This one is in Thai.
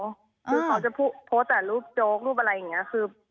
คือเขาจะโพสต์แต่รูปโจ๊กรูปอะไรอย่างนี้คือ